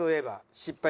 失敗？